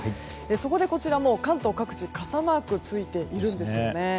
そこで、こちら関東各地傘マークがついているんですね。